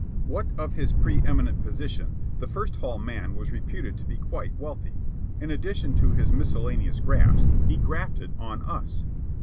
What of his preeminent position, the First Hall man was reputed to be quite wealthy. In addition to his miscellaneous grafts, he grafted on us.